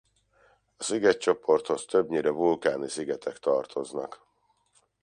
A szigetcsoporthoz többnyire vulkáni szigetek tartoznak.